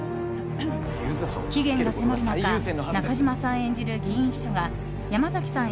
期限が迫る中中島さん演じる議員秘書が山崎さん